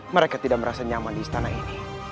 mereka tidak merasa nyaman di istana ini